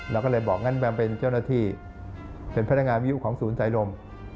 เราก็เลยบอกงั้นแมมเป็นเจ้าหน้าที่เป็นพนักงานวิยุของศูนย์สายลม